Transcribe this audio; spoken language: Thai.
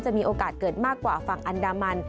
มีโอกาสเกิดมากกว่าฝั่งอันดามัน